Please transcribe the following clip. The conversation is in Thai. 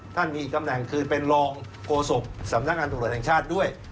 ท่านมีตำแหน่งคือเป็นรองโฆษกสำนักงานตำรวจแห่งชาติด้วย